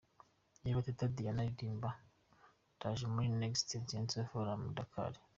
Reba Teta Diana aririmba ’Ndaje’ muri Next Einstein Forum i Dakar.